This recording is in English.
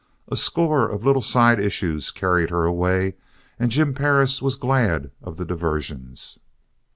A score of little side issues carried her away. And Jim Perris was glad of the diversions.